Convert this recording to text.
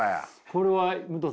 これは武藤さん